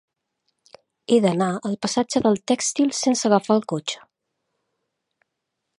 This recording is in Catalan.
He d'anar al passatge del Tèxtil sense agafar el cotxe.